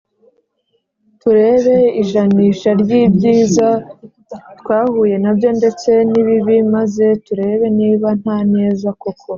turebe ijanisha ry ibyiza twahuye na byo ndetse nibibi maze turebe niba nta neza koko.